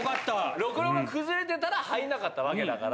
ろくろが崩れてたら、入んなかったわけだから。